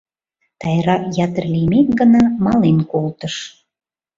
Тайра ятыр лиймек гына мален колтыш.